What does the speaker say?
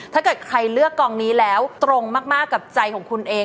ถ้าเกิดใครเลือกกองนี้แล้วตรงมากกับใจของคุณเอง